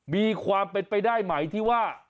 มีความเป็นไปได้ไหมที่ว่า